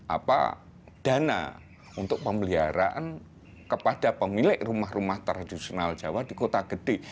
apa dana untuk pemeliharaan kepada pemilik rumah rumah tradisional jawa di kota gede